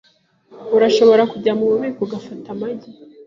Urashobora kujya mububiko ugafata amagi?